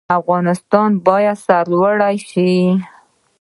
افغانستان باید سرلوړی شي